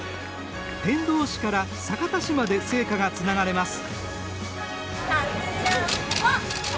天童市から酒田市まで聖火がつながれます。